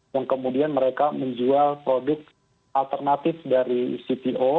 yang kemudian mereka menjual produk alternatif dari cpo